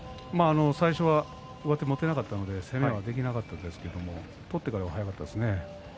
最初は上手、持てなかったので攻めができなかったんですけど取ってからは速かったですね。